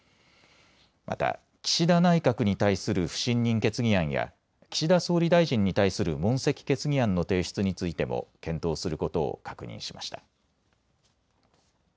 また岸田内閣に対する不信任決議案や岸田総理大臣に対する問責決議案の提出についても検討することを確認しました。